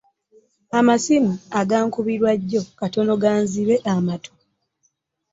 Amasimu agankubirwa jjo katono ganzibe amatu!